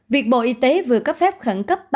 việc bộ y tế vừa cấp phép khẩn cấp